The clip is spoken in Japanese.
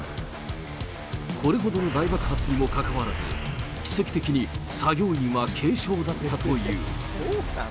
これほどの大爆発にもかかわらず、奇跡的に作業員は軽傷だけだという。